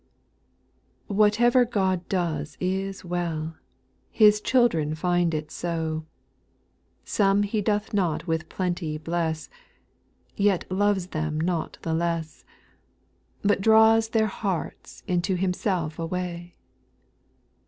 WHATEVER God does is well 1 f f His children find it so. Some He doth not with plenty bless, Yet loves them not the less, SPIRITUAL S0N08. 175 But draws their hearts unto Himself away.